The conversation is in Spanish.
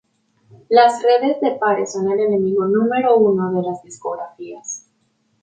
las redes de pares son el enemigo número uno de las discográficas